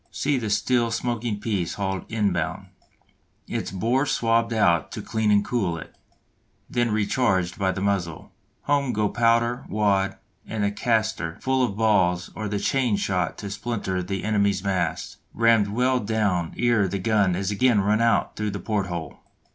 See the still smoking piece hauled inboard, its bore swabbed out to clean and cool it, then recharged by the muzzle; home go powder, wad, and the castor full of balls or the chain shot to splinter the enemy's masts, rammed well down ere the gun is again run out through the port hole.